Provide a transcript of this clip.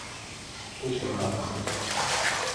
- Тупраҡ.